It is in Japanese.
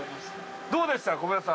どうでした？